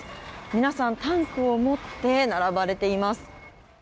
皆さん、タンクを持って並ばれています。